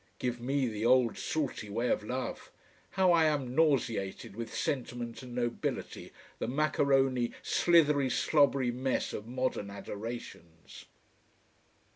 Give me the old, salty way of love. How I am nauseated with sentiment and nobility, the macaroni slithery slobbery mess of modern adorations.